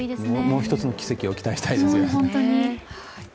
もう一つの奇跡を期待したいですね。